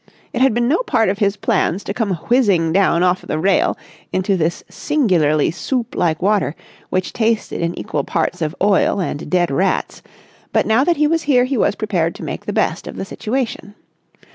It had been no part of his plans to come whizzing down off the rail into this singularly soup like water which tasted in equal parts of oil and dead rats; but, now that he was here he was prepared to make the best of the situation.